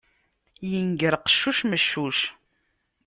Inger qeccuc, meccuc.